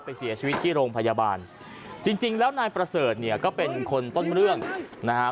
เสียชีวิตที่โรงพยาบาลจริงจริงแล้วนายประเสริฐเนี่ยก็เป็นคนต้นเรื่องนะฮะ